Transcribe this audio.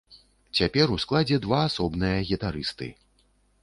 Цяпер у складзе два асобныя гітарысты.